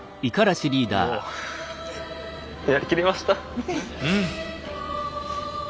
もうやりきりました。